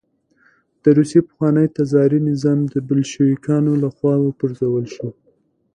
د روسیې پخوانی تزاري نظام د بلشویکانو له خوا وپرځول شو